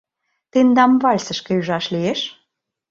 Тендам вальсышке ӱжаш лиеш?